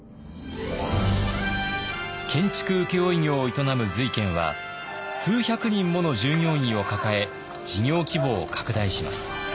建築請負業を営む瑞賢は数百人もの従業員を抱え事業規模を拡大します。